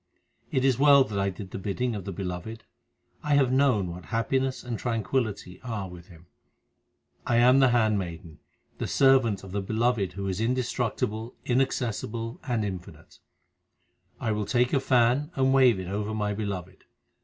It is well that I did the bidding of the Beloved ; I have known what happiness and tranquillity are with Him. I am the handmaiden, the servant of the Beloved Who is indestructible, inaccessible, and infinite. I will take a fan and wave it over my Beloved.